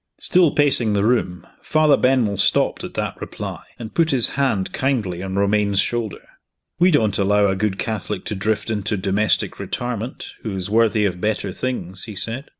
Still pacing the room, Father Benwell stopped at that reply, and put his hand kindly on Romayne's shoulder. "We don't allow a good Catholic to drift into domestic retirement, who is worthy of better things," he said.